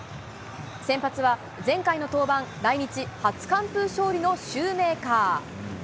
先発は、前回の登板、来日初完封勝利のシューメーカー。